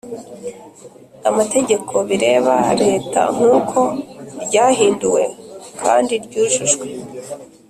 amategeko bireba Leta nk uko ryahinduwe kandi ryujujwe